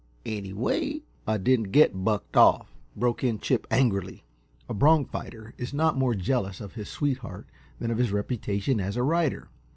Anyway " "I didn't get bucked off," broke in Chip, angrily. A "bronch fighter" is not more jealous of his sweetheart than of his reputation as a rider.